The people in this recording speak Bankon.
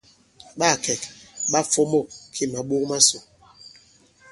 Ɓâ kɛ̀k ɓâ fomôk kì màɓok masò.